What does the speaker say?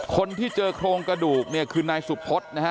คนที่เจอโครงกระดูกเนี่ยคือนายสุพธนะฮะ